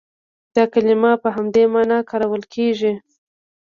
دا کلمه په همدې معنا کارول کېږي.